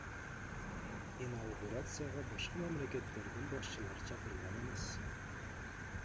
Инаугурацияга башка мамлекеттердин башчылары чакырылган эмес.